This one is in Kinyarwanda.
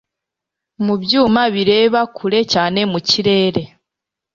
mu byuma bireba kure cyane mu kirere